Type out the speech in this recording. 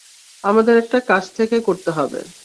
আমাদের এটা কাছ থেকে করতে হবে।